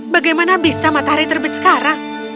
bagaimana bisa matahari terbit sekarang